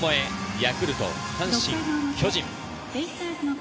ヤクルト、阪神、巨人。